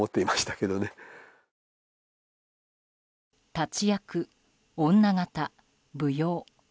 立役、女形、舞踊。